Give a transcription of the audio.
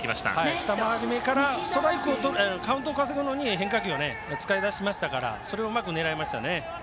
２回り目からカウントを稼ぐのに、変化球を使い出しましたのでそれをうまく狙いました。